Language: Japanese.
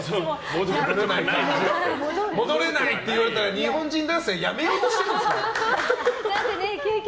戻れないっていって言われたら、日本人男性やめようとしてるんですか。